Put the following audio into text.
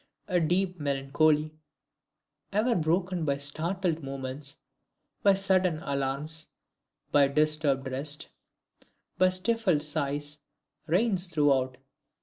A deep melancholy ever broken by startled movements, by sudden alarms, by disturbed rest, by stifled sighs reigns throughout.